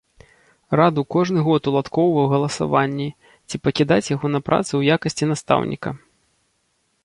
Раду кожны год уладкоўваў галасаванні, ці пакідаць яго на працы ў якасці настаўніка.